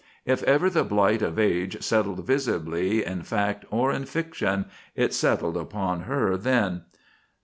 If ever the blight of age settled visibly in fact or in fiction, it settled upon her then.